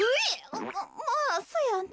あっまあそやな。